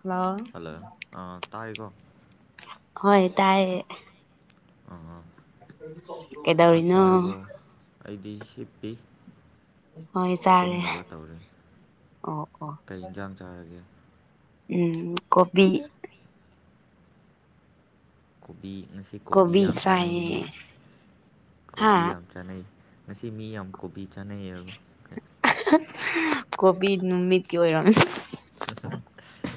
Hello ꯑꯥ ꯇꯥꯏꯀꯣ ꯍꯣꯏ ꯇꯥꯏꯌꯦ ꯑꯥ ꯆꯥꯛ ꯀꯩꯗꯧꯔꯤꯅꯣ ꯆꯥꯔꯕꯣ ꯑꯩꯗꯤ ꯍꯤꯞꯄꯤ ꯍꯣꯏ ꯆꯥꯔꯦ ꯇꯨꯝꯅꯕ ꯇꯧꯔꯤ ꯑꯣ ꯑꯣ ꯀꯩ ꯏꯟꯖꯥꯡ ꯆꯥꯔꯒꯦ ꯎꯝ ꯀꯣꯕꯤ ꯀꯣꯕꯤ ꯉꯁꯤ ꯀꯣꯕꯤ ꯌꯥꯝ ꯆꯥꯅꯩ ꯃꯤ ꯀꯣꯕꯤ ꯍꯥ ꯌꯥꯝ ꯆꯥꯅꯩ ꯉꯁꯤ ꯃꯤ ꯌꯥꯝ ꯀꯣꯕꯤ ꯆꯥꯅꯩꯑꯕ ꯀꯣꯕꯤ ꯅꯨꯃꯤꯠꯀꯤ ꯑꯣꯏꯔꯝ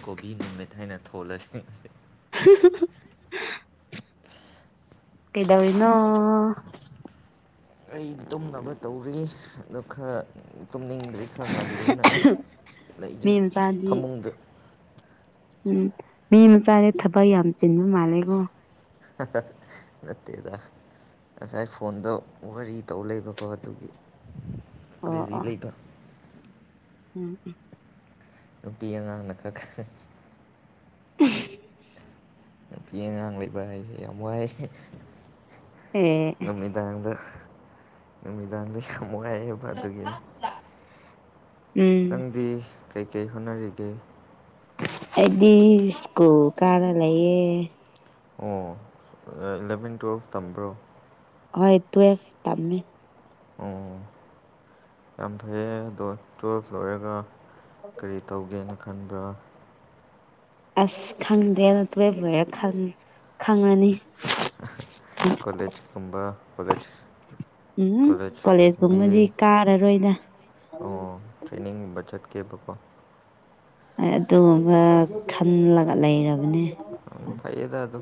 ꯀꯣꯕꯤ ꯅꯨꯃꯤꯠ ꯍꯥꯏꯅ ꯊꯣꯜꯂꯁꯤ ꯉꯑꯁꯤ ꯎ [unintelligible] ꯀꯩꯗꯧꯔꯤꯅꫭ ꯑꯩ ꯇꯨꯝꯅꯕ ꯇꯧꯔꯤ ꯑꯗꫭ ꯈꯔꯥ ꯇꯨꯝꯅꯤꯡꯗ꯭ꯔꯤ ꯈꯔ ꯉꯜꯂꯤꯅ ꯃꯤ ꯂꯩꯗꫭꯏ ꯃꯆꯥꯗꯤ ꯐꯃꯨꯡꯗ ꯎꯝ ꯃꯤ ꯃꯆꯥꯗꯤ ꯊꯕꯛ ꯌꯥꯝ ꯆꯤꯟꯕ ꯃꯥꯜꯂꯦꯀꯣ ꯅꯠꯇꯦꯗ ꯉꯁꯥꯏ ꯐꯣꯟꯗ ꯋꯥꯔꯤ ꯇꯧ ꯂꯩꯕꯀꯣ ꯑꯗꯨꯒꯤ ꯑꯣ ꯕꯤꯖꯤ ꯑꯣ ꯂꯩꯕ ꯎꯝ ꯎꯝ ꯅꯨꯄꯤ ꯑꯉꯥꯡꯅ ꯈ꯭ꯔ ꯍ [unintelligible] ꯅꯨꯄꯤ ꯉꯥꯡ ꯂꯩꯕ ꯍꯥꯏꯁꯦ ꯌꯥꯝ ꯋꯥꯏ ꯑꯦ ꯅꯨꯃꯤꯗꯥꯡꯗ ꯅꯨꯃꯤꯗꯥꯡꯗ ꯌꯥꯝ ꯋꯥꯏꯌꯦꯕ ꯑꯗꯨꯒꯤꯅꯤ ꯎꯝ ꯅꯪꯗꯤ ꯀꯩꯀꯩ ꯍꯣꯠꯅꯔꯤꯒꯦ ꯑꯩꯗꯤ ꯏꯁꯀꯨ꯭ꯜ ꯀꯔꯥ ꯂꯩꯌꯦ ꯑꯣ ꯏꯂꯚꯦꯟ ꯇꯨꯌꯦꯦꯜꯐ ꯇꯝꯕ꯭ꯔꯣ ꯍꯣꯏ ꯇꯨ ꯑꯦ ꯇꯝꯃꯦ ꯑꯣ ꯌꯥꯝ ꯐꯩꯌꯦ ꯑꯣ ꯇꯣ ꯂꯣꯏꯔꯒ ꯑꯣ ꯀꯔꯤ ꯇꯧꯒꯦꯅ ꯈꯟꯕ꯭ꯔꯥ ꯑꯁ ꯈꯪꯗꯦꯅ ꯇꯨꯋꯦꯜꯕ ꯂꯣꯏꯔ ꯈꯪꯉꯅꯤ ꯀꯣꯂꯦꯖꯀꯨꯝꯕ ꯀꯣꯂꯦꯖ ꯎꯝ ꯀꯣꯂꯦꯖ ꯕꯤ ꯀꯣꯂꯦꯖꯀꯨꯝꯕꯗꯤ ꯑꯦ ꯀꯥꯔꯔꯣꯏꯗ ꯑꯣ ꯇ꯭ꯔꯦꯅꯤꯡꯒꯨꯝꯕ ꯆꯠꯀꯦꯕꯀꯣ ꯍ ꯑꯗꯨꯒꯨꯝꯕ ꯈꯜꯂꯒ ꯂꯩꯔꯕꯅꯤ ꯐꯩꯌꯦꯗ ꯑꯗꯣ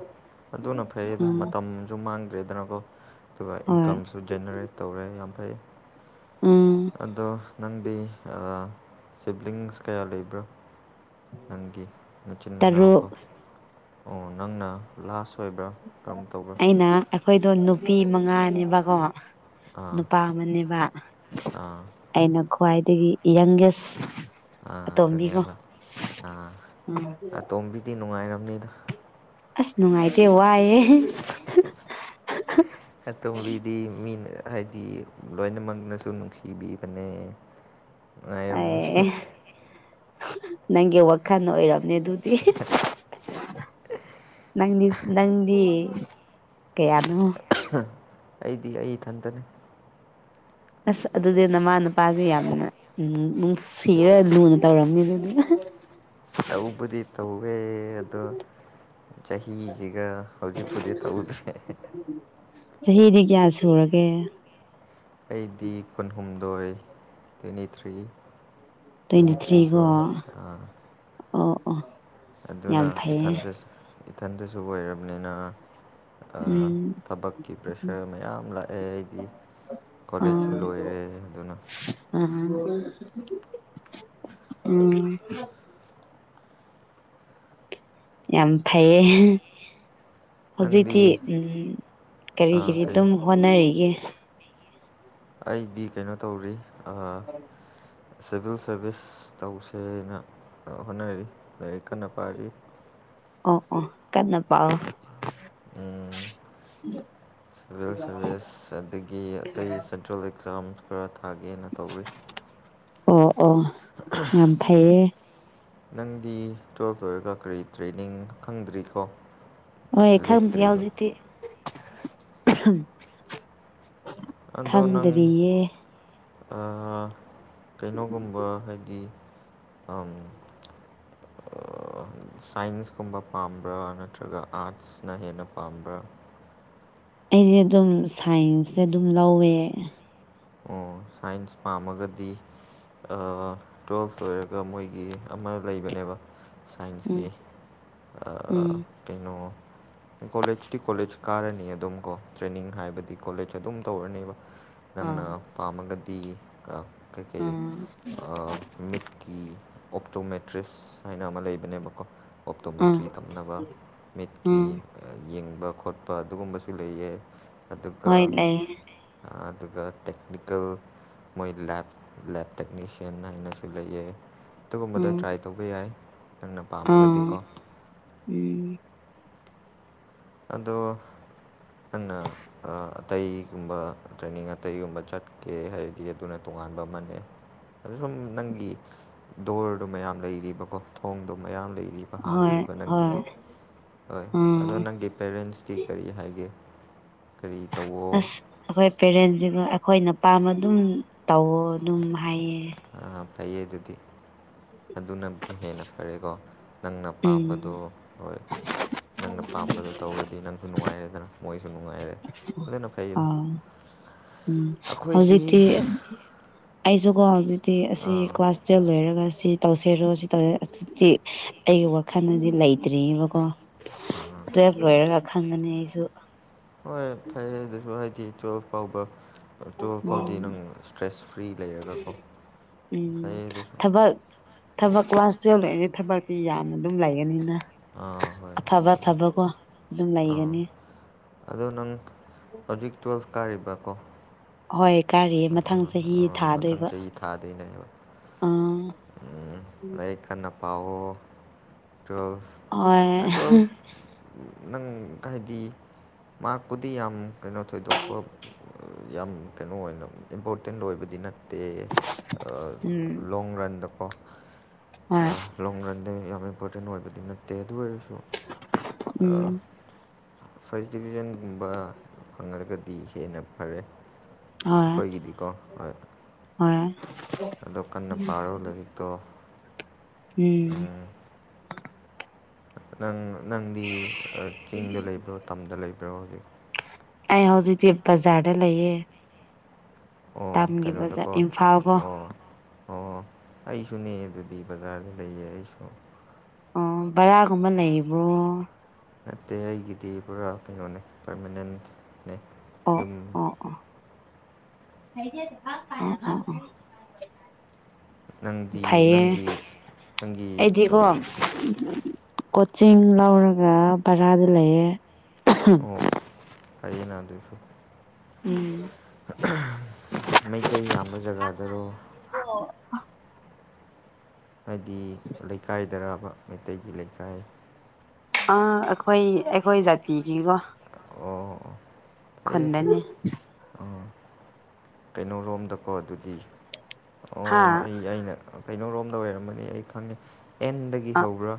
ꯑꯗꯨꯅ ꯐꯩꯌꯦꯗ ꯎꯝ ꯃꯇꯝꯁꯨ ꯃꯥꯡꯗ꯭ꯔꯦꯗꯅꯀꯣ ꯑꯗꯨꯒ ꯍꯣꯏ ꯏꯟꯀꯝꯁꯨ ꯖꯦꯅꯦꯔꯦꯠ ꯇꯧꯔꯦ ꯌꯥꯝ ꯐꯩ ꯎꯝ ꯑꯗꯣ ꯅꯪꯗꯤ ꯁꯤꯕ꯭ꯂꯤꯡꯁ ꯀꯌꯥ ꯂꯩꯕ꯭ꯔꯣ ꯅꯪꯒꯤ ꯇꯔꯨꯛ ꯅꯆꯤꯤꯟꯅꯎꯀꯣ ꯑꯣ ꯅꯪꯅ ꯂꯥꯁ ꯑꯣꯏꯕ꯭ꯔꯥ ꯀꯔꯝ ꯇꯧꯕ꯭ꯔꯥ ꯑꯩꯩꯅ ꯑꯩꯈꯣꯏꯗꯣ ꯅꯨꯄꯤ ꯃꯉꯥꯅꯦꯕꯀꯣ ꯑꯥ ꯅꯨꯄꯥ ꯑꯃꯅꯤꯅꯦꯕ ꯑꯥ ꯑꯩꯅ ꯈ꯭ꯋꯥꯏꯗꯒꯤ ꯌꯪꯒꯦꯁ ꯑꯥ ꯑꯇꯣꯝꯕꯤꯀꯣ ꯑꯗꯨꯅꯦꯕ ꯎꯝ ꯑꯥꯇꯣꯝꯕꯤꯗꯤ ꯅꯨꯡꯉꯥꯏꯔꯝꯅꯤꯗ ꯑꯁ ꯅꯨꯡꯉꯥꯏꯇꯦ ꯋꯥꯏꯑꯦ ꯑꯇꯣꯝꯕꯤꯗꯤ ꯃꯤꯅ ꯍꯥꯏꯗꯤ ꯂꯣꯏꯅꯃꯛꯅꯁꯨ ꯅꯨꯡꯁꯤꯕꯤꯕꯅꯦ ꯕꯤꯝ ꯑꯦ ꯅꯪꯒꯤ ꯋꯥꯈꯜ ꯑꯣꯏꯔꯔꯕ ꯗꯨꯗꯤ ꯅꯪꯗꯤ ꯅꯪꯗꯤ ꯀꯌꯥꯅꯣ ꯑꯩꯗꯤ ꯑꯩ ꯏꯊꯟꯇꯅꯤ ꯑꯁ ꯑꯗꯨꯗꯤ ꯅꯃꯥ ꯅꯨꯄꯥꯁꯦ ꯌꯥꯝꯅ ꯅꯨꯡꯁꯤꯔ ꯂꯨꯅ ꯇꯧꯔꯝꯅꯤꯗꯅꯤꯅ ꯇꯧꯕꯗꯤ ꯇꯧꯋꯦ ꯑꯗꯣ ꯆꯍꯤꯁꯤꯒ ꯍꯧꯖꯤꯛꯄꯨꯗꯤ ꯇꯧꯗ꯭ꯔꯦ ꯎꯝ [unintelligible] [inaudible] ꯆꯍꯤꯗꯤ ꯀꯌꯥ ꯁꯨꯔꯒꯦ ꯑꯩꯗꯤ ꯀꯨꯟꯍꯨꯝꯗꯣꯏ ꯇ꯭ꯋꯦꯟꯇꯤ ꯊ꯭ꯔꯤ ꯇ꯭ꯋꯦꯟꯇꯤ ꯆꯅꯤꯇ꯭ꯔꯤ ꯊ꯭ꯔꯤꯀꯣ ꯁꯨꯔꯦ ꯑꯥ ꯑꯣ ꯑꯣ [unintelligible] [inaudible] ꯑꯗꯨꯅ ꯌꯥꯝ ꯐꯩꯌꯦ ꯏꯊꯟꯗꯁꯨ ꯏꯊꯟꯇꯁꯨ ꯑꯣꯏꯔꯕꯅꯤꯅ ꯎꯝ ꯊꯕꯛꯀꯤ ꯄ꯭ꯔꯦꯁꯔ ꯃꯌꯥꯝ ꯂꯥꯛꯑꯦ ꯍꯥꯏꯗꯤ ꯀꯣꯂꯦꯖꯁꯨ ꯂꯣꯏꯔꯦ ꯑꯗꯨꯅ ꯑ ꯎꯝ ꯌꯥꯝ ꯐꯩꯌꯦ ꯅꯪꯗꯤ ꯍꯧꯖꯤꯛꯇꯤ ꯎꯝ ꯀꯔꯤ ꯑꯥ ꯀꯔꯤ ꯀꯩ ꯑꯗꯨꯝ ꯍꯣꯠꯅꯔꯤꯒꯦ ꯎꯝ [unintelligible] [inaudible] ꯑꯩꯗꯤ ꯀꯩꯅꯣ ꯇꯧꯔꯤ ꯑ [unintelligible] [inaudible] ꯁꯤꯚꯤꯜ ꯁꯔꯚꯤꯁ ꯇꯧꯁꯦ ꯍꯥꯏꯅ ꯍꯣꯠꯅꯔꯤ ꯂꯥꯏꯔꯤꯛ ꯀꯟꯅ ꯄꯥꯔꯤ ꯑꯣ ꯑꯣ ꯀꯟꯅ ꯄꯥꯎ ꯎꯝ [unintelligible] [inaudible] ꯁꯚꯜ ꯁꯥꯔꯚꯤꯁ ꯑꯗꯒꯤ ꯑꯇ [inaudible] ꯇꯇꯨꯋꯦꯜ ꯑꯦꯛꯖꯥꯝꯁ ꯈꯔ ꯊꯥꯒꯦꯅ ꯇꯧꯔꯤ ꯑꯣ ꯑꯣ ꯌꯥꯝ ꯐꯩꯌꯦ ꯅꯪꯗꯤ ꯇꯨꯋꯦꯜꯐ ꯂꯣꯏꯔꯒ ꯀꯔꯤ ꯇ꯭ꯔꯦꯅꯤꯡ ꯈꯪꯗ꯭ꯔꯤ ꯀꯣ ꯍꯣꯏ ꯈꯪꯗꯦ ꯍꯧꯖꯤꯛꯇꯤ ꯑꯗꯣ ꯅꯪ ꯈꯪꯗ꯭ꯔꯤꯌꯦ ꯀꯩꯅꯣꯒꯨꯝꯕ ꯍꯥꯏꯗꯤ ꯑꯪ [unintelligible] [inaudible] ꯁꯥꯏꯟꯁꯀꯨꯝꯕ ꯄꯥꯝꯕ꯭ꯔꯥ ꯅꯠꯇ꯭ꯔꯒ ꯑꯥꯔꯠꯁꯅ ꯍꯦꯟꯅ ꯄꯥꯝꯕ꯭ꯔꯥ ꯑꯩꯁꯦ ꯑꯗꯨꯝ ꯁꯥꯏꯟꯁꯇ ꯑꯗꯨꯝ ꯂꯧꯋꯦ ꯑꯣ ꯁꯥꯏꯟꯁ ꯄꯥꯝꯃꯒꯗꯤ [inaudible] ꯇꯨꯋꯦꯜꯐ ꯂꯣꯏꯔꯒ ꯃꯣꯏꯒꯤ ꯑꯃ ꯂꯩꯕꯅꯦꯕ [inaudible] ꯎꯝ ꯁꯥꯏꯟꯁꯀꯤ ꯎꯝ ꯀꯩꯅꯣ ꯀꯣꯂꯦꯖꯇꯤ ꯀꯣꯂꯦꯖ ꯀꯥꯔꯅꯤ ꯑꯗꯨꯝ ꯀꯣ ꯇ꯭ꯔꯦꯅꯤꯡ ꯍꯥꯏꯕꯗꯤ ꯀꯣꯂꯦꯖ ꯑꯗꯨꯝ ꯇꯧꯔꯅꯤꯕ ꯑꯥ ꯅꯪꯅ ꯄꯥꯝꯃꯒꯗꯤ ꯀꯩ ꯀꯩ ꯑꯥ ꯃꯤꯠꯀꯤ ꯑꯣꯞꯇꯣꯃꯦꯦꯇ꯭ꯔꯤꯁ ꯍꯥꯏꯅ ꯑꯃ ꯂꯩꯕꯅꯦꯕꯀꯣ ꯑꯥ ꯑꯣꯞꯇꯣꯃꯦꯇ꯭ꯔꯤ ꯇꯝꯅꯕ ꯃꯤꯠꯀꯤ ꯑꯥ ꯌꯦꯡꯕ ꯈꯣꯠꯄ ꯑꯗꯨꯒꯨꯝꯕꯁꯨ ꯂꯩꯌꯦ ꯑꯗꯨꯒ ꯍꯣꯏ ꯂꯩꯌꯦ ꯑꯗꯨꯒ ꯇꯦꯛꯅꯤꯀꯦꯜ ꯃꯣꯏ ꯂꯦꯞ ꯂꯦꯞ ꯇꯦꯛꯅꯤꯁꯤꯌꯟ ꯍꯥꯏꯅꯁꯨ ꯂꯩꯌꯦ ꯑꯗꯨꯒꯨꯝꯕꯗ ꯎꯝ ꯇ꯭ꯔꯥꯏ ꯇꯧꯕ ꯌꯥꯏ ꯅꯪꯅ ꯑꯥ ꯄꯥꯝꯃꯒꯗꯤꯀꯣ ꯎꯝ [unintelligible] [inaudible] ꯑꯗꯣ ꯑ [inaudible] ꯑꯇꯩꯒꯨꯝꯕ ꯇ꯭ꯔꯦꯅꯤꯡ ꯑꯇꯩꯒꯨꯝꯕ ꯆꯠꯀꯦ ꯍꯥꯏꯔꯗꯤ ꯑꯗꯨꯅ ꯇꯣꯉꯥꯟꯕ ꯑꯃꯅꯦ ꯑ ꯁꯨꯝ ꯅꯪꯒꯤ ꯗꯣꯔꯗꯣ ꯃꯌꯥꯝ ꯂꯩꯔꯤꯕꯀꯣ ꯊꯣꯡꯗꯣ ꯃꯌꯥꯝ ꯂꯩꯔꯤꯕ ꯍꯣꯏ ꯍꯥꯡꯈ꯭ꯔꯤꯕ ꯍꯣꯏ ꯅꯪꯒꯤꯗꯤ ꯍꯣꯏ ꯑꯥ ꯑꯗꯣ ꯅꯪꯒꯤ ꯄꯦꯔꯦꯟꯁꯇꯤ ꯀꯔꯤ ꯍꯥꯏꯒꯦ ꯀꯔꯤ ꯇꯧꯋꯣ ꯑꯁ ꯑꯩꯈꯣꯏ ꯄꯦꯔꯦꯟꯁꯤꯒ ꯑꯩꯈꯣꯏꯅꯄꯥꯥꯝꯕ ꯑꯗꯨꯝ ꯇꯧꯋ ꯑꯗꯨꯝ ꯍꯥꯏꯌꯦ ꯐꯩꯌ ꯑꯗꯨꯗꯤ ꯑꯗꯨꯅꯕꯨ ꯍꯦꯟꯅ ꯐꯔꯦꯀꯣ ꯅꯪꯅ ꯄꯥꯝꯕꯗꯣ ꯎꯝ ꯍꯣꯏ ꯅꯪꯅ ꯄꯥꯝꯕꯗꯨꯣ ꯇꯧꯔꯗꯤ ꯅꯪꯁꯨ ꯅꯨꯡꯉꯥꯏꯔꯦꯗꯅ ꯃꯣꯏꯁꯨ ꯅꯨꯡꯉꯥꯏꯔꯦ ꯑꯗꯨꯅ ꯐꯩꯗꯣ ꯑꯥ ꯎꯝ ꯍꯧꯖꯤꯛꯇꯤ ꯑꯩꯁꯨꯀꯣ ꯍꯧꯖꯤꯛꯇꯤ ꯑꯁꯤ ꯑꯥ ꯀ꯭ꯂꯥꯁ ꯦꯜ ꯂꯣꯏꯔꯒ ꯁꯤ ꯇꯧꯁꯦꯔꯣ ꯁꯤ ꯇꯧꯁ ꯑꯁꯤꯗꯤ [inaudible] ꯑꯩꯒꯤ ꯋꯥꯈꯜꯗꯗꯤ ꯂꯩꯇ꯭ꯔꯤꯑꯕꯀꯣ ꯎꯝꯝ [unintelligible] [inaudible] ꯇꯨꯌꯦꯞ ꯂꯣꯏꯔꯒ ꯈꯪꯒꯅꯤ ꯑꯩꯁꯨ꯫ ꯍꯣꯏ ꯐꯩꯌꯦ ꯑꯗꯨꯁꯨ ꯍꯥꯏꯗꯤ ꯇꯨꯋꯦꯜꯐ ꯐꯥꯎꯕ ꯑ ꯇꯨꯌꯦꯜꯐ ꯐꯥꯎꯗꯤ ꯎꯝ ꯅꯪ ꯏꯁ꯭ꯇ꯭ꯔꯦꯁ ꯐ꯭ꯔꯤ ꯂꯩꯔꯒꯀꯣ ꯎꯝ ꯐꯩꯌꯦ ꯑꯗꯨꯁꯨꯨ ꯊꯕꯛ ꯊꯕꯛ ꯀ꯭ꯂꯥꯁ ꯇꯨꯌꯦꯜꯞ ꯂꯣꯏꯔꯗꯤ ꯊꯕꯛꯇꯤ ꯌꯥꯝꯅ ꯑꯗꯨꯝ ꯂꯩꯒꯅꯤꯅ꯫ ꯑꯥ ꯍꯣꯏ ꯍꯣꯏ ꯑꯐꯕ ꯆꯨꯝꯃꯦ ꯊꯕꯛꯀꯣ ꯑꯗꯨꯝ ꯑꯥ ꯂꯩꯒꯅꯤ꯫ ꯑꯗꯣ ꯅꯪ ꯍꯧꯖꯤꯛ ꯇꯨꯋꯦꯜꯐ ꯀꯥꯔꯤꯕꯀꯣ꯫ ꯍꯣꯏ ꯀꯥꯔꯤ ꯑ ꯑꯥ ꯑꯥ ꯃꯊꯪ ꯆꯍꯤ ꯊꯥꯗꯣꯏꯅꯦꯕ ꯑꯥ ꯎꯝ ꯂꯥꯏꯔꯤꯛ ꯀꯟꯅ ꯄꯥꯋꯣ꯫ ꯇꯨꯋꯦꯜꯐ ꯍꯣꯏ ꯑ ꯇꯨꯋꯦꯜꯐ ꯅꯪ ꯍꯥꯏꯗꯤ ꯃꯥꯛꯄꯨꯗꯤ ꯌꯥꯝ ꯀꯩꯅꯣ ꯊꯣꯏꯗꯣꯛꯄ ꯌꯥꯝ ꯀꯩꯅꯣ ꯑꯣꯏꯅ ꯏꯝꯄꯣꯔꯇꯦꯟ ꯑꯣꯏꯕꯗꯤ ꯅꯠ ꯇꯦ ꯑ ꯎꯝ ꯂꯣꯡ ꯔꯟꯗꯀꯣ ꯍꯣꯏ ꯂꯣꯡ ꯔꯟꯗ ꯌꯥꯝ ꯏꯝꯄꯣꯔꯇꯦꯟ ꯑꯣꯏꯕꯗꯤ ꯅꯠꯇꯦ ꯑꯗꯨ ꯑꯣꯏꯔꯁꯨ ꯎꯝ ꯐꯥ꯭ꯔꯁ ꯗꯤꯚꯤꯖꯟꯒꯨꯝꯕ ꯐꯪꯉꯒꯗꯤ ꯍꯦꯟꯅ ꯐꯔꯦ꯫ ꯍꯣꯏ ꯑꯩꯈꯣꯏꯒꯤꯗꯤꯀꯣ ꯍꯣꯏ ꯍꯣꯏ ꯑꯗꯣ ꯀꯟꯅ ꯄꯥꯔꯣ ꯂꯥꯏꯔꯤꯛꯇꯣ꯫ ꯏꯤ ꯅꯪ ꯅꯪꯗꯤ ꯑ ꯆꯤꯡꯗ ꯂꯩꯕ꯭ꯔꯣ ꯇꯝꯗ ꯂꯩꯕ꯭ꯔꯣ ꯍꯧꯖꯤꯛ꯫ ꯑꯩ ꯍꯧꯖꯤꯛꯇꯤ ꯕꯖꯥꯔꯗ ꯂꯩꯌꯦ꯫ ꯑꯣ ꯇꯝꯒꯤ ꯕꯖꯥꯔ ꯀꯩꯅꯣꯗꯀꯣ ꯏꯝꯐꯥꯜꯀꯣ ꯑꯣ ꯑꯣ ꯑꯩꯁꯨꯅꯦ ꯑꯗꯨꯗꯤ ꯕꯖꯥꯔꯗ ꯂꯩꯌꯦ ꯑꯩꯁꯨ ꯑꯣ ꯕꯔꯥꯒꯨꯝꯕ ꯂꯩꯕ꯭ꯔꯣ꯫ ꯅꯠꯇꯦ ꯑꯩꯒꯤꯗꯤ ꯄꯨꯔꯥ ꯀꯩꯅꯣꯅꯦ ꯄꯔꯃꯦꯅꯦꯟꯠꯅꯦ ꯑꯣ ꯌꯨꯝ ꯑꯣ ꯑꯣ ꯑꯣ ꯑꯣ ꯑꯣ [unintelligible] ꯅꯪꯗꯤ ꯐꯩꯌꯦ ꯅꯪꯒꯤ ꯅꯪꯒꯤ ꯑꯩꯗꯤꯀꯣ ꯀꯣꯆꯤꯡ ꯂꯧꯔꯒ ꯚꯔꯥꯗ ꯂꯩꯌꯦ꯫ ꯑꯣ ꯐꯩꯌꯦꯅ ꯑꯗꯨꯁꯨ ꯎꯝ [unintelligible] ꯃꯩꯇꯩ ꯌꯥꯝꯕ ꯖꯒꯥꯗꯔꯣ꯫ [unintelligible] ꯍꯥꯏꯗꯤ ꯂꯩꯀꯥꯏꯗꯔꯥꯕ ꯃꯩꯇꯩꯒꯤ ꯂꯩꯀꯥꯏ ꯑꯥ ꯑꯩꯈꯣꯏ ꯑꯩꯈꯣꯏ ꯖꯥꯇꯤꯒꯤꯀꯣ ꯑꯣ ꯐꯩꯌꯦ ꯐꯩꯌꯦ ꯈꯨꯟꯗꯅꯤ ꯑꯣ ꯀꯩꯅꯣꯔꯣꯝꯗꯀꯣ ꯑꯗꯨꯗꯤ ꯑꯣ ꯍꯥ ꯑꯩ ꯑꯩꯅ ꯀꯩꯅꯣꯔꯣꯝꯗ ꯑꯣꯏꯔꯝꯃꯅꯤ ꯑꯩ ꯈꯪꯉꯦ ꯑꯦꯟꯗꯒꯤ ꯍꯧꯕ꯭ꯔꯥ꯫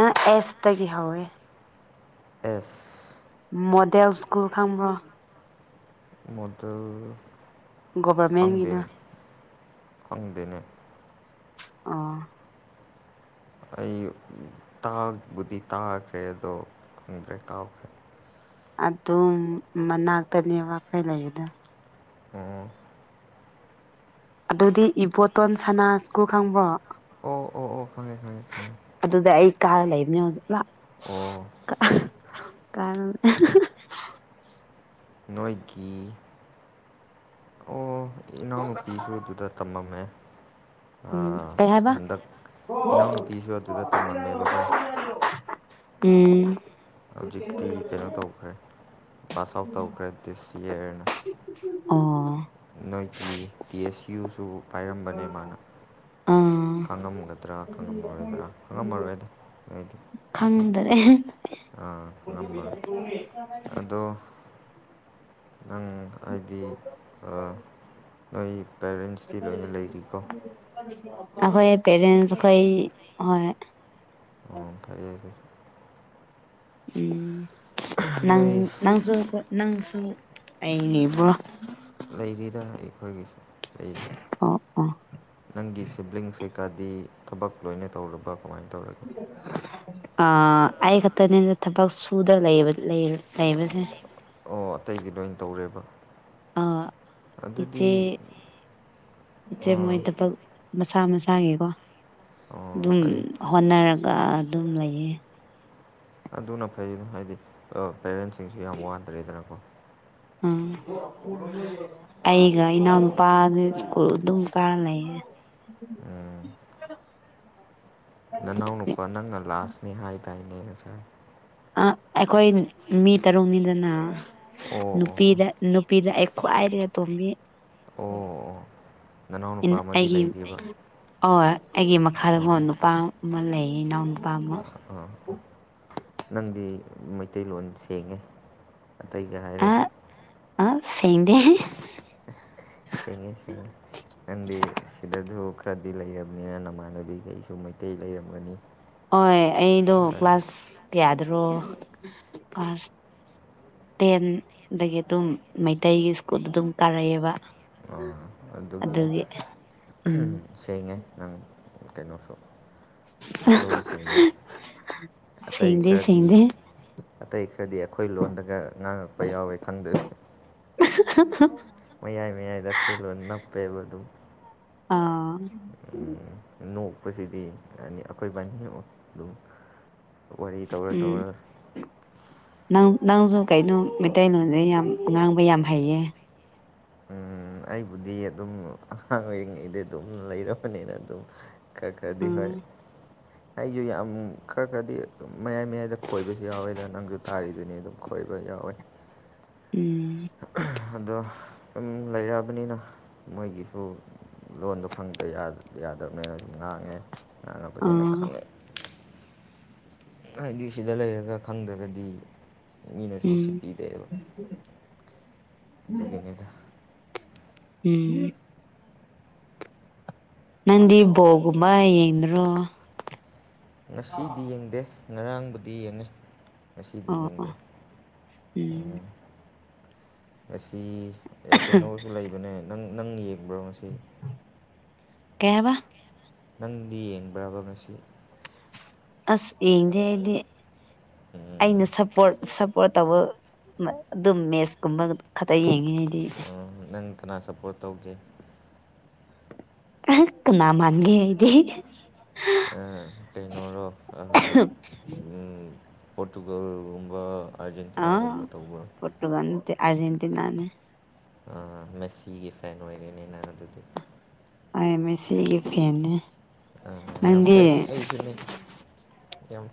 ꯑ ꯑꯦꯁꯇꯒꯤ ꯍꯧꯋꯦ꯫ ꯑꯦꯁ ꯃꯣꯗꯦꯜ ꯁ꯭ꯀꯨꯜ ꯈꯪꯕ꯭ꯔꯣ꯫ ꯃꯣꯗꯦꯜ ꯒꯣꯚꯔꯃꯦꯟꯒꯤꯗꯣ ꯈꯪꯗꯦꯅꯦ ꯈꯪꯗꯦꯅꯦ ꯑꯣ ꯑꯩꯥ ꯎꯝ ꯇꯥꯕꯨꯗꯤ ꯇꯥꯈ꯭ꯔꯦ ꯑꯗꯣ ꯈꯪꯗ꯭ꯔꯦ ꯀꯥꯎꯈ꯭ꯔꯦ꯫ ꯑꯗꯨꯝ ꯃꯅꯥꯛꯇꯅꯦꯕ ꯑꯩꯈꯣꯏ ꯂꯩꯔꯤꯗꯣ꯫ ꯑꯣ ꯑꯗꯨꯗꯤ ꯏꯕꯣꯇꯣꯟ ꯁꯅꯥ ꯁ꯭ꯀꯨꯜ ꯈꯪꯕ꯭ꯔꯣ꯫ ꯑꯣ ꯑꯣ ꯑꯣ ꯈꯪꯉꯦ ꯈꯪꯉꯦ ꯈꯪꯉꯦ꯫ ꯑꯗꯨꯗ ꯑꯩ ꯀꯥꯔ ꯂꯩꯕꯅꯦ ꯑꯣ [unintelligible] ꯅꯣꯏꯒꯤ ꯑꯣ ꯏꯅꯥꯎꯅꯨꯄꯤꯁꯨ ꯑꯗꯨꯗ ꯇꯝꯃꯝꯃꯦ ꯎꯝ ꯑꯥ ꯀꯩ ꯍꯥꯏꯕ ꯍꯟꯗꯛ ꯏꯅꯥꯎꯅꯨꯄꯤꯁꯨ ꯑꯗꯨꯗ ꯇꯝꯃꯝꯃꯦꯕꯀꯣ ꯎꯝ ꯍꯧꯖꯤꯛꯇꯤ ꯀꯩꯅꯣ ꯇꯧꯈ꯭ꯔꯦ ꯄꯥꯁ ꯑꯥꯎꯠ ꯇꯧꯈ꯭ꯔꯦ ꯗꯤꯁ ꯏꯌꯥꯔꯅ ꯑꯣ ꯅꯣꯏꯒꯤ ꯇꯤ ꯑꯦꯁ ꯏꯌꯨꯁꯨ ꯑꯥ ꯈꯪꯉꯝꯒꯗ꯭ꯔꯥ ꯈꯪꯉꯝꯃꯔꯣꯏꯗ꯭ꯔꯥ ꯈꯪꯉꯝꯃꯔꯣꯏꯗ ꯅꯣꯏꯗꯤ ꯈꯪꯗꯔꯦ ꯑꯥ ꯈꯪꯉꯝꯃꯔꯣꯏ ꯑꯗꯣ [inaudible] ꯅꯪ ꯍꯥꯏꯗꯤ ꯑꯥ ꯅꯣꯏ ꯄꯦꯔꯦꯟꯁꯇꯤ ꯂꯣꯏꯅ ꯂꯩꯔꯤꯀꯣ ꯑꯩꯈꯣꯏ ꯄꯦꯔꯦꯟꯁ ꯑꯩꯈꯣꯏ ꯍꫭꯏ ꯑꯣ ꯐꯩꯌꯦ ꯀꯩꯁꯨ ꯎ ꯅꯪ ꯅꯣꯏ ꯅꯪꯁꯨ ꯅꯪꯁꯨ ꯑꯩꯅꯦꯕ꯭ꯔꯣ ꯂꯩꯔꯤꯗ ꯑꯩꯈꯣꯏꯒꯤꯁꯨ ꯂꯩꯔꯤ ꯑꯣ ꯑꯣ ꯅꯪꯒꯤ ꯁꯤꯕ꯭ꯂꯤꯡ ꯀꯩꯀꯥꯗꯤ ꯊꯕꯛ ꯂꯣꯏꯅ ꯇꯧꯔꯕ ꯀꯃꯥꯏꯅ ꯇꯧꯔꯒꯦ ꯑꯥ ꯑꯩ ꯈꯛꯇꯅꯦꯅ ꯊꯕꯛ ꯁꯨꯗ ꯂꯩꯕꯁꯦ ꯑꯣ ꯑꯇꯩꯗꯤ ꯂꯣꯏ ꯇꯧꯔꯦꯕ ꯑ ꯏꯆꯦ ꯑꯗꯨꯗꯤ ꯏꯆꯦ ꯃꯣꯏ ꯊꯕꯛ ꯃꯁꯥ ꯃꯁꯥꯒꯤꯀꯣ ꯑꯣ ꯑꯗꯨꯝ ꯐꯩ ꯍꯣꯠꯅꯔꯒ ꯑꯗꯨꯝ ꯂꯩꯌꯦ ꯑꯗꯨꯅ ꯐꯩ ꯍꯥꯏꯗꯤ ꯄꯦꯔꯦꯟꯁꯤꯡꯁꯨ ꯌꯥꯝ ꯋꯥꯗ꯭ꯔꯦꯗꯅꯀꯣ ꯎꯝ ꯑꯩꯒ ꯏꯅꯥꯎꯅꯨꯄꯥꯒꯤ ꯁ꯭ꯀꯨꯜ ꯑꯗꯨꯝ ꯀꯥꯔ ꯂꯩꯌꯦ ꯅꯅꯥꯎ ꯅꯨꯄꯥ ꯅꯪꯅ ꯂꯥꯁꯅꯦ ꯍꯥꯏꯗꯥꯏꯅꯦ ꯉꯁꯔ ꯑ ꯑꯩꯈꯣꯏ ꯃꯤ ꯇꯔꯨꯛꯅꯤꯗꯅ ꯑꯣ ꯑꯣ ꯑꯣ ꯅꯨꯄꯤꯗ ꯅꯨꯄꯤꯗ ꯑꯩ ꯈ꯭ꯋꯥꯏꯔꯒ ꯇꯣꯝꯃꯤ ꯑꯣ ꯑꯣ ꯅꯅꯥꯎꯅꯨꯄꯥ ꯑꯃꯗꯤ ꯑꯩꯒꯤ ꯂꯩꯔꯤꯕ ꯑꯩꯒꯤ ꯃꯈꯥꯗꯣꯟ ꯑꯥ ꯅꯨꯄꯥ ꯑꯃ ꯂꯩꯌꯦ ꯏꯅꯥꯎ ꯀꯃ ꯑꯥ ꯅꯪꯗꯤ ꯃꯩꯇꯩꯂꯣꯟ ꯁꯦꯡꯉꯦ ꯑꯇꯩꯒ ꯑ ꯍꯥꯏꯔꯗꯤ ꯑ ꯁꯦꯡꯗꯦꯦ ꯁꯤꯉ ꯁꯉ ꯅꯪꯗꯤ ꯁꯤꯗꯁꯨ ꯈꯔꯗꯤ ꯂꯩꯔꯕꯅꯤꯅ ꯅꯃꯥꯟꯅꯕꯤꯈꯩꯁꯨ ꯃꯩꯇꯩ ꯂꯩꯔꯝꯃꯅꯤ ꯍꯣꯏ ꯑꯩꯗꯣ ꯀ꯭ꯂꯥꯁ ꯀꯌꯥꯗꯔꯣ ꯀ꯭ꯂꯥꯁ ꯇꯦꯟ ꯑꯗꯒꯤ ꯑꯗꯨꯝ ꯃꯩꯇꯩꯒꯤ ꯁ꯭ꯀꯨꯜꯗ ꯑꯗꯨꯝ ꯀꯥꯔꯛꯑꯕ ꯑ ꯑꯗꯨꯒꯤꯅꯦ ꯎꯝ ꯁꯦꯡꯉꯦ ꯅꯪ ꯀꯩꯅꯣꯁꯨ ꯂꯣꯟꯁꯤꯡꯅꯤ ꯑꯇꯩ ꯁꯦꯡꯗꯦ ꯈꯔꯗꯤ ꯁꯦꯡꯗꯦ ꯑꯇꯩ ꯈꯔꯗꯤ ꯑꯩꯈꯣꯏ ꯂꯣꯟꯗꯒ ꯉꯥꯡꯉꯛꯄ ꯌꯥꯎꯋꯦ ꯈꯪꯗꯣꯏꯁ [unintelligible] ꯃꯌꯥꯏ ꯃꯌꯥꯏꯗ ꯑꯩꯈꯣꯏ ꯂꯣꯟ ꯅꯞꯄꯦꯕ ꯑꯗꯨꯝ ꯑꯥ ꯅꯣꯛꯄꯁꯤꯗꯤ ꯑꯩꯈꯣꯏꯕꯥꯅꯤ ꯍꯦꯛ ꯑꯗꯨꯝ ꯋꯥꯔꯤ ꯇꯧꯔ ꯎꯝ ꯇꯧꯔ ꯅꯪ ꯅꯪꯁꯨ ꯀꯩꯅꯣ ꯃꯩꯇꯩꯂꯣꯟꯁꯦ ꯌꯥꯝ ꯉꯥꯡꯕ ꯌꯥꯝ ꯍꯩꯌꯦ ꯑꯩꯕꯨꯗꯤ ꯑꯗꯨꯝ ꯑꯉꯥꯡ ꯑꯣꯏꯔꯤꯉꯩꯗꯤ ꯑꯗꯨꯝ ꯂꯩꯔꯕꯅꯤꯅ ꯑꯗꯨꯝ ꯀꯀ ꯔꯦꯗꯤ ꯍ ꯎꯝ ꯑꯩꯁꯨ ꯌꯥꯝ ꯈꯔ ꯈꯔꯗꯤ ꯃꯌꯥꯏ ꯃꯌꯥꯏꯗ ꯈꯣꯏꯕꯁꯨ ꯌꯥꯎꯋꯦꯗ ꯅꯪꯁꯨ ꯇꯥꯔꯤꯗꯨꯅꯤ ꯑꯗꯨꯝ ꯈꯣꯏꯕ ꯌꯥꯎꯋꯦ ꯎꯝ ꯑꯗꯣ ꯁꯨꯝ ꯂꯩꯔꯛꯑꯕꯅꯤꯅ ꯃꯣꯏꯒꯤꯁꯨ ꯂꯣꯟꯗꯣ ꯈꯪꯗ ꯌꯥꯗꯕꯅꯤꯅ ꯉꯥꯡꯉꯦ ꯉꯥꯡꯉꯕꯅꯤꯅ ꯑꯥ ꯈꯪꯉꯦ ꯍꯥꯏꯗꯤ ꯁꯤꯗ ꯂꯩꯔꯒ ꯈꯪꯗ꯭ꯔꯒꯗꯤ ꯃꯤꯅꯁꯨ ꯎꯝ ꯎꯁꯤꯠꯄꯤꯗꯦꯕ ꯑꯗꯨꯒꯤꯅꯤꯗ ꯎꯝ ꯅꯪꯗꯤ ꯕꯣꯜ ꯒꯨꯝꯕ ꯌꯦꯡꯗꯔꯣ ꯉꯁꯤꯗꯤ ꯌꯦꯡꯗꯦ ꯉꯔꯥꯡꯕꯨꯗꯤ ꯌꯦꯡꯉꯤ ꯉꯁꯤꯗꯤ ꯑꯣ ꯑꯣ ꯌꯦꯡꯗ꯭ꯔꯦ ꯎꯝ ꯉꯁꯤ ꯑꯦ ꯀꯩꯅꯣꯒꯤꯁꯨ ꯂꯩꯕꯅꯦ ꯅꯪ ꯅꯪ ꯌꯦꯡꯕ꯭ꯔꯣ ꯉꯁꯤ ꯀꯩ ꯍꯥꯢꯕ ꯅꯪꯗꯤ ꯌꯦꯡꯕ꯭ꯔꯕ ꯉꯁꯤ ꯑꯁ ꯌꯦꯡꯗꯦ ꯑꯩꯗꯤ ꯑꯩꯅ ꯁꯞꯄꯣꯔꯠ ꯁꯞ ꯄꯨꯔ ꯇꯧꯕ ꯑꯗꯨꯝ ꯃꯦꯁ ꯀꯨꯝꯕ ꯈꯛꯇ ꯌꯦꯡꯉꯦ ꯑꯩꯗꯤ ꯎꯝ ꯅꯪ ꯀꯅꯥ ꯁꯞꯄꯣꯔꯠ ꯇꯧꯒꯦ ꯑꯍ ꯀꯅꯥ ꯃꯥꯟꯒꯦ ꯑꯩꯗꯤ ꯑ ꯀꯩꯅꯔꯣ ꯄꯣꯔꯇꯨꯒꯜꯒꯨꯝꯕ ꯑ ꯑꯥꯔꯖꯦꯟꯇꯤꯅꯥꯒꯨꯝꯕ ꯇꯧꯕ꯭ꯔꯣ ꯄꯣꯔꯇꯨꯒꯟ ꯅꯠꯇꯦ ꯑꯔꯖꯦꯟꯇꯤꯅꯥꯅꯦ ꯑꯥ, ꯃꯦꯁꯤꯒꯤ ꯐꯦꯟ ꯑꯣꯏꯔꯦꯅꯦ ꯅꯪ ꯑꯗꯨꯗꯤ ꯍꯣꯢ ꯃꯦꯁꯤꯒꯤ ꯐꯦꯟꯅꯦ ꯑꯝ ꯌꯥꯝ ꯅꯪꯗꯤ ꯐꯩ ꯑꯩꯁꯨꯅꯦ ꯌꯥꯝ